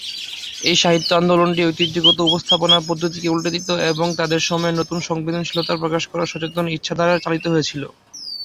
এই সাহিত্য আন্দোলনটি ঐতিহ্যগত উপস্থাপনা পদ্ধতিকে উল্টে দিতে এবং তাদের সময়ের নতুন সংবেদনশীলতা প্রকাশ করার সচেতন ইচ্ছা দ্বারা চালিত হয়েছিল।